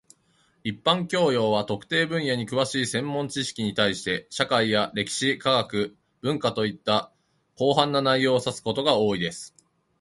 一般教養 （general knowledge） は、特定分野に詳しい専門知識に対して、社会や歴史、科学、文化といった広範な内容を指すことが多いです。